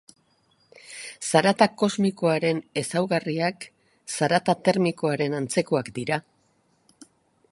Zarata kosmikoaren ezaugarriak zarata termikoaren antzekoak dira.